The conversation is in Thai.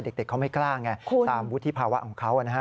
เด็กเขาไม่กล้าไงตามวุฒิภาวะของเขานะฮะ